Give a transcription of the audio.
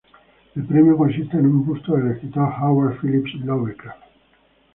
El premio consiste en un busto del escritor Howard Phillips Lovecraft.